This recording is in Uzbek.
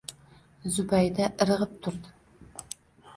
Zubayda irg`ib turdi